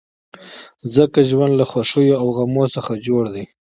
ځکه ژوند له خوښیو او غمو څخه جوړ دی.